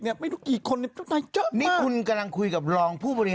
เนี่ยผมดูกี่คนเนี่ยคุณกำลังคุยกับรองผู้บริหาร